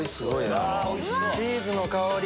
チーズの香り！